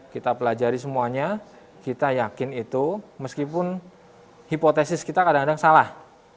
kita pelajari semuanya kita yakin itu meskipun hipotesis kita kadang kadang salah